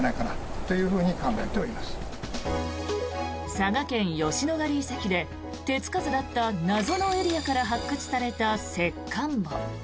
佐賀県・吉野ヶ里遺跡で手付かずだった謎のエリアから発見された石棺墓。